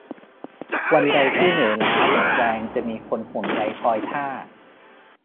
วันใดที่เหนื่อยล้าหมดแรงจะมีคนห่วงใยคอยท่า